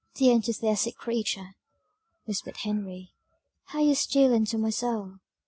"Dear enthusiastic creature," whispered Henry, "how you steal into my soul."